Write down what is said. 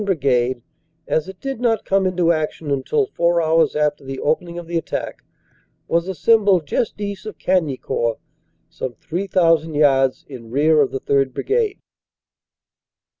Brigade, as it did not come into action until four hours after the opening of the attack, was assembled just east of Cagnicourt, some 3,000 yards in rear of the 3rd. Brigade.